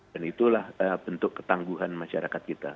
dan itulah bentuk ketangguhan masyarakat kita